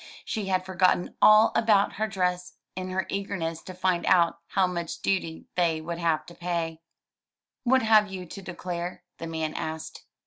She had forgotten all about her dress in her eagerness to find out how much duty they would have to pay. "What have you to declare?" the man asked.